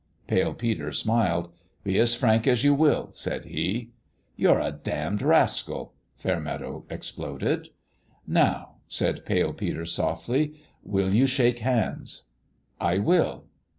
Pale Peter smiled. " Be as frank as you will," said he. " You're a damned rascal !" Fairmeadow ex ploded. "Now," said Pale Peter, softly, "will you shake hands?" " I will."